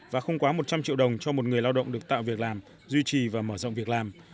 và không quá một trăm linh triệu đồng cho một người lao động được tạo việc làm duy trì và mở rộng việc làm